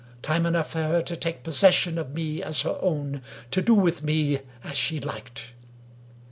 Time enough for her to take possession of me as her own, to do with me as she liked.